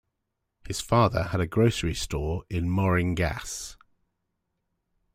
His father had a grocery store in Moeringgasse.